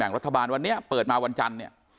รัฐบาลวันนี้เปิดมาวันจันทร์เนี่ย